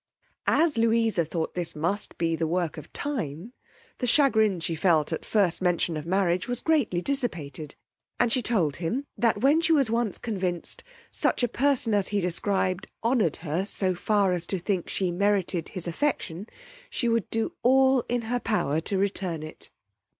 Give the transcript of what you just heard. As Louisa thought this must be the work of time, the chagrin she felt at the first mention of marriage was greatly dissipated; and she told him, that when she was once convinced such a person as he described honoured her so far as to think she merited his affection, she would do all in her power to return it.